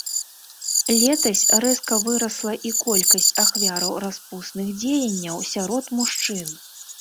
Летась рэзка вырасла і колькасць ахвяраў распусных дзеянняў сярод мужчын.